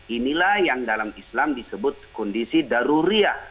inilah yang dalam islam disebut kondisi daruria